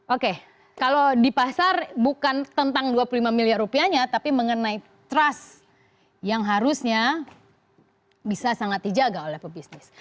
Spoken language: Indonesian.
oke kalau di pasar bukan tentang dua puluh lima miliar rupiahnya tapi mengenai trust yang harusnya bisa sangat dijaga oleh pebisnis